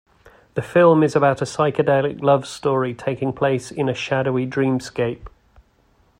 The film is about a psychedelic love story taking place in a "shadowy dreamscape".